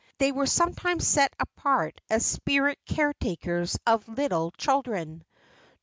They were sometimes set apart as spirit caretakers of little children.